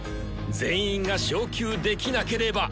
全員が昇級できなければ。